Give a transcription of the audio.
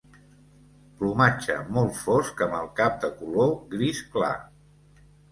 Plomatge molt fosc amb el cap de color gris clar.